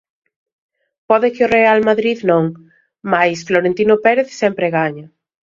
Pode que o Real Madrid non, mais Florentino Pérez sempre gaña.